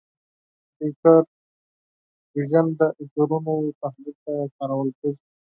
کمپیوټر وژن د انځورونو تحلیل ته کارول کېږي.